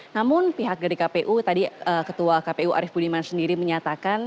namun pihak dari kpu tadi ketua kpu arief budiman sendiri menyatakan